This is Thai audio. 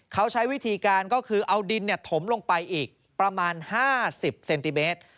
เขาใช้วิธีการก็คือเอาดินถมลงไปอีกประมาณ๕๐เซนติเมตร